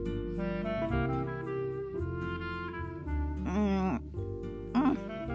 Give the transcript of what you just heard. うんうん。